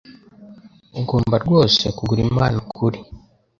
Ugomba rwose kugura impano kuri .